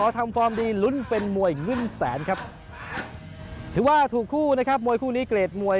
ถือว่าถูกคู่ไหมมวยคู่นี้เกรดมวย